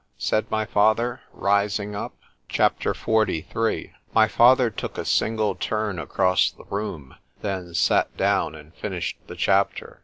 said my father, rising up. C H A P. XLIII MY father took a single turn across the room, then sat down, and finished the chapter.